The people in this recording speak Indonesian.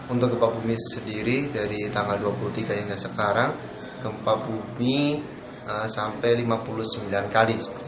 untuk gempa bumi sendiri dari tanggal dua puluh tiga hingga sekarang gempa bumi sampai lima puluh sembilan kali